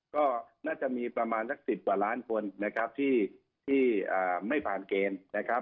ก็น่าจะมีประมาณสัก๑๐กว่าล้านคนนะครับที่ไม่ผ่านเกณฑ์นะครับ